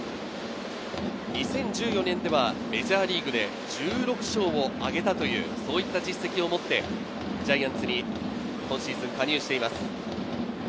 ２０１４年ではメジャーリーグで１６勝を挙げたという、そういった実績を持って、ジャイアンツに今シーズン加入しています。